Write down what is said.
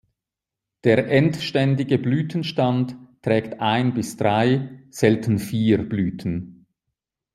Der endständige Blütenstand trägt ein bis drei, selten vier Blüten.